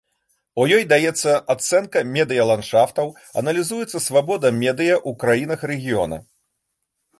У ёй даецца ацэнка медыяландшафтаў і аналізуецца свабода медыя ў краінах рэгіёна.